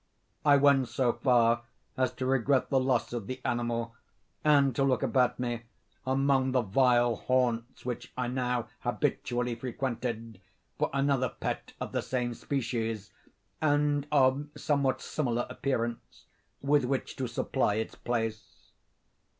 I went so far as to regret the loss of the animal, and to look about me, among the vile haunts which I now habitually frequented, for another pet of the same species, and of somewhat similar appearance, with which to supply its place.